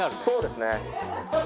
そうですね。